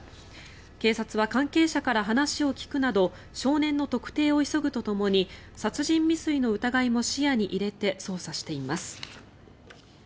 警察は関係者から話を聞くなど少年の特定を急ぐとともに殺人未遂の疑いも視野に入れて捜査しています。